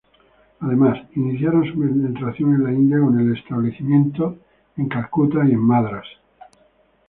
Además, iniciaron su penetración en la India con el establecimiento en Calcuta y Madrás.